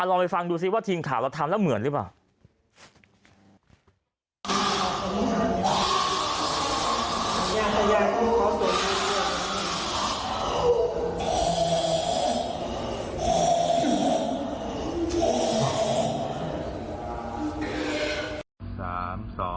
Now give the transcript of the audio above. ลองไปฟังดูซิว่าทีมข่าวเราทำแล้วเหมือนหรือเปล่า